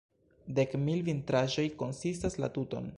Dek mil vitraĵoj konsistas la tuton.